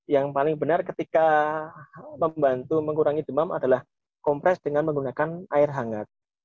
yang paling benar ketika membantu mengurangi demam adalah kompres dengan menggunakan air hangat